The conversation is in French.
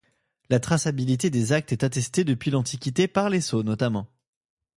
La traçabilité des actes est attestée depuis l’antiquité, par les sceaux notamment.